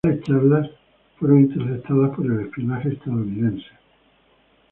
Tales charlas fueron interceptadas por el espionaje estadounidense.